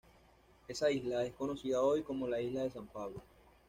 Esa isla es conocida hoy como la isla de San Pablo.